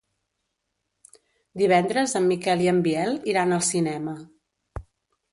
Divendres en Miquel i en Biel iran al cinema.